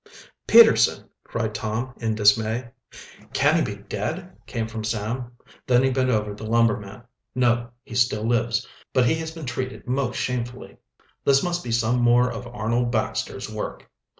"Peterson!" cried Tom, in dismay. "Can he be dead?" came from Sam. Then he bent over the lumberman. "No, he still lives. But he has been treated most shamefully." "This must be some more of Arnold Baxter's work."